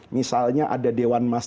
misalnya ada dewan masjid